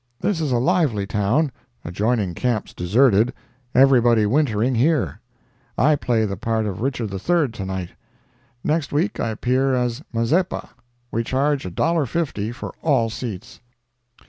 This is a lively town; adjoining camps deserted; everybody wintering here...I play the part of Richard III tonight. Next week I appear as Mazeppa. We charge $1.50 for all seats."